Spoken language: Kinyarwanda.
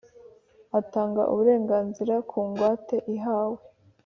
atanga uburenganzira ku ngwate ihawe